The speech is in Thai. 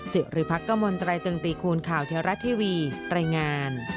สิริพักกมลตรายตึงตีคูณข่าวเทวรัฐทีวีรายงาน